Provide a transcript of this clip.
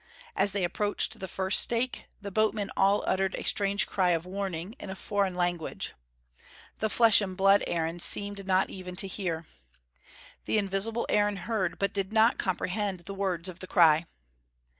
As they approached the first stake, the boatmen all uttered a strange cry of warning, in a foreign language. The flesh and blood Aaron seemed not even to hear. The invisible Aaron heard, but did not comprehend the words of the cry.